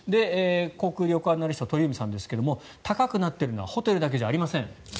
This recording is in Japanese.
航空・旅行アナリストの鳥海さんですが高くなっているのはホテルだけではありません。